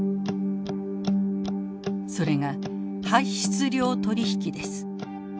それが排出量取引です。